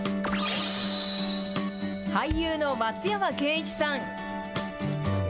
俳優の松山ケンイチさん。